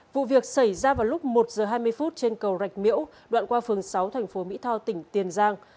vụ việc xảy ra vào lúc một giờ hai mươi phút trên cầu rạch miễu đoạn qua phường sáu thành phố mỹ tho tỉnh tiền giang